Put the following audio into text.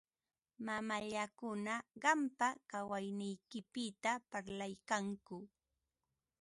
Mamallakuna qampa kawayniykipita parlaykanku.